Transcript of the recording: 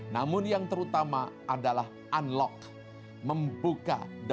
namun yang terutama adalah unlock